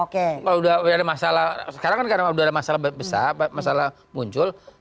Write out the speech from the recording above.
kalau udah ada masalah sekarang kan karena masalah besar masalah muncul